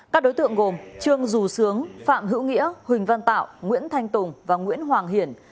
các đối tượng gồm trương dù sướng phạm hữu nghĩa huỳnh văn tạo nguyễn thanh tùng và nguyễn hoàng hiển